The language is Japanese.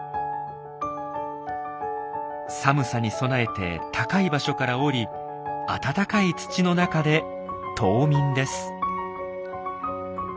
寒さに備えて高い場所から降り温かい土の中で冬眠です。